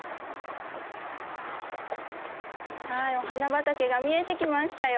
はいお花畑が見えてきましたよ。